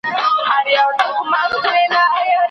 شمع مړه سوه لمبه ولاړه پروانه هغسي نه ده